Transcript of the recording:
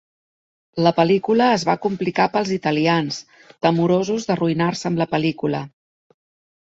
La pel·lícula es va complicar pels italians, temorosos d'arruïnar-se amb la pel·lícula.